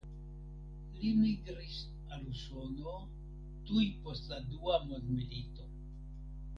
Li migris al Usono tuj post la Dua Mondmilito.